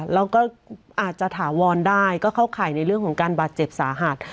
แล้วก็อาจจะถาวรได้ก็เข้าข่ายในเรื่องของการบาดเจ็บสาหัส